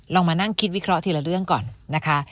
มานั่งคิดวิเคราะห์ทีละเรื่องก่อนนะคะ